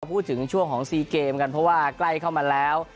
พูดถึงช่วงของซีเกมกันเพราะว่าใกล้เข้ามาแล้ว